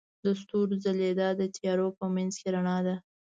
د ستورو ځلیدا د تیارو په منځ کې رڼا ده.